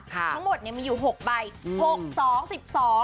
ทั้งหมดมีอยู่๖ใบ